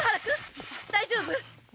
大丈夫！？